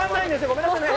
ごめんなさいね